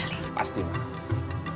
harus mendapatkan mustikasyon itu kembali